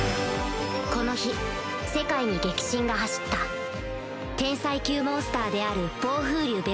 この日世界に激震が走った天災級モンスターである暴風竜